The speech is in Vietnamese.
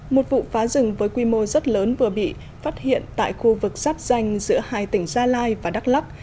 một vụ phá rừng với quy mô rất lớn vừa bị phát hiện tại khu vực giáp danh giữa hai tỉnh gia lai và đắk lắc